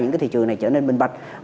những thị trường này trở nên bình bạch